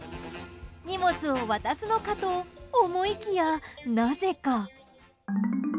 荷物を渡すのかと思いきやなぜか。